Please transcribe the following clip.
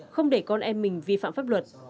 không để con em mình vi phạm pháp luật